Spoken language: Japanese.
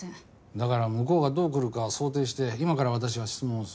だから向こうがどう来るかを想定して今から私が質問をする。